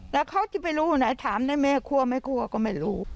แล้วเขาที่ไม่รู้ไหนถามได้ไม่ควรไม่ควรก็ไม่รู้